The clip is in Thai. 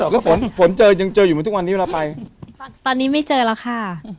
ก็ฝนเนี่ยแหละ